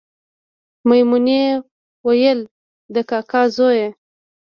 میمونې ویل د کاکا زویه